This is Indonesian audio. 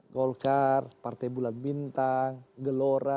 dua ribu delapan golkar partai bulan bintang gelora